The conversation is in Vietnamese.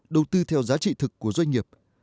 đầu tư theo giá trị thực của doanh nghiệp